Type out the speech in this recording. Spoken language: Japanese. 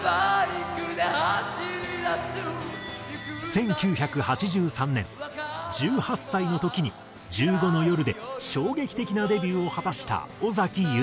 １９８３年１８歳の時に『１５の夜』で衝撃的なデビューを果たした尾崎豊。